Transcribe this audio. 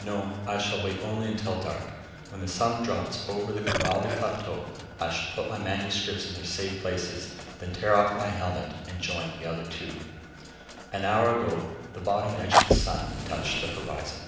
No, I shall wait only until the dark. When the sun drops over the Grimaldi plateau, I shall put my manuscripts in their safe places, then tear off my helmet and join the other two. An hour ago, the bottom edge of the sun touched the horizon.